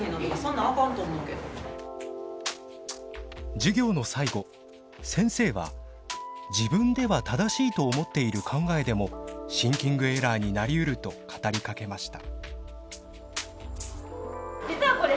授業の最後先生は自分では正しいと思っている考えでもシンキングエラーになりうると語りかけました。